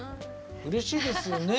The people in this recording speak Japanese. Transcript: うれしいですよね。